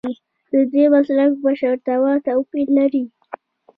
ددې مسلک مشرتابه توپیر لري.